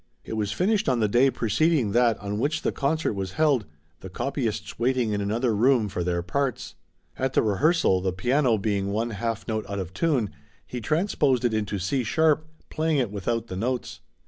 It was finished on the day preceding that on which the concert was held, the copyists waiting in another room for their parts. At the rehearsal, the piano being one half note out of tune, he transposed it into C sharp, playing it without the notes.